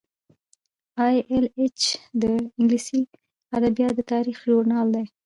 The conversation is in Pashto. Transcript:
ای ایل ایچ د انګلیسي ادبیاتو د تاریخ ژورنال دی.